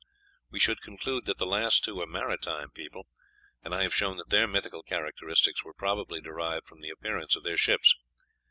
We should conclude that the last two were maritime peoples, and I have shown that their mythical characteristics were probably derived from the appearance of their ships.